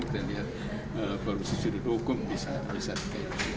kita melihat korupsi sudut hukum bisa seperti itu